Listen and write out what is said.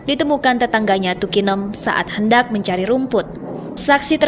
ibu saya di sana metik tahu